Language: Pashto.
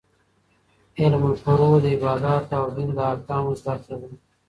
علم الفروع د عباداتو او دين د احکامو زده کړه ده.